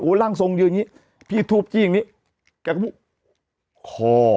ร่างทรงยืนอย่างงี้พี่ทูบจี้อย่างนี้แกก็พูดคอ